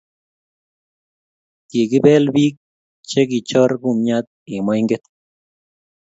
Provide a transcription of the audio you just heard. Kikibel biik chekichor kumnyat eng moinget